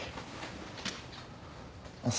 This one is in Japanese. あっ。